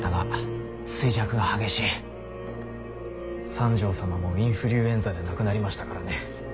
三条様もインフリュウエンザで亡くなりましたからね。